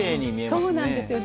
そうなんですよ。